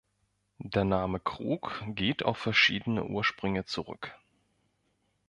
Der Name Krug geht auf verschiedene Ursprünge zurück.